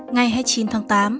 ngày hai mươi chín tháng tám